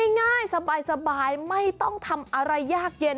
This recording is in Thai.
ง่ายสบายไม่ต้องทำอะไรยากเย็น